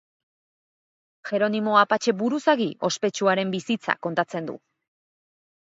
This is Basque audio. Jeronimo apatxe buruzagi ospetsuaren bizitza kontatzen du.